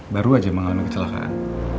baru aja mengalami kecelakaan